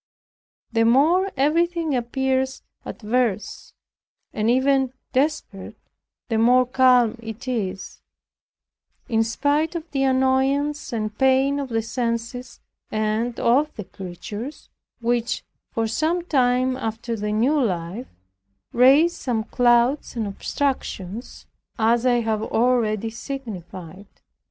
The more everything appears adverse, and even desperate, the more calm it is, in spite of the annoyance and pain of the senses and of the creatures, which, for some time after the new life, raise some clouds and obstructions, as I have already signified.